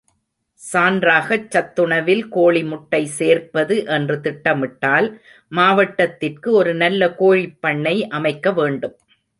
சான்றாகச் சத்துணவில் கோழி முட்டை சேர்ப்பது என்று திட்டமிட்டால் மாவட்டத்திற்கு ஒரு நல்ல கோழிப் பண்ணை அமைக்கவேண்டும்.